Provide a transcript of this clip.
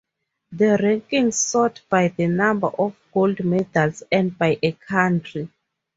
The rankings sort by the number of gold medals earned by a country.